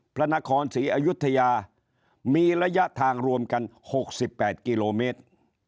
พระนครศรีอยุธยามีระยะทางรวมกัน๖๘กิโลเมตร